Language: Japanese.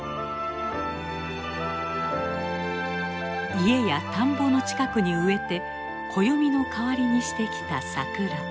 家や田んぼの近くに植えて暦の代わりにしてきた桜。